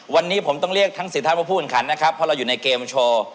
วันนี้ผมต้องเรียกทั้ง๔ท่านมาผู้แข่งขันนะครับเพราะเราอยู่ในเกมโชว์